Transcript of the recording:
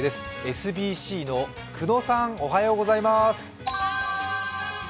ＳＢＣの久野さん、おはようございます。